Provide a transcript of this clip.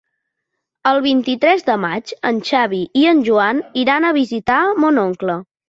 El vint-i-tres de maig en Xavi i en Joan iran a visitar mon oncle.